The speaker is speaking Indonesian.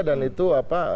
dan itu apa